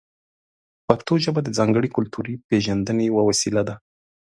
پښتو ژبه د ځانګړې کلتوري پېژندنې یوه وسیله ده.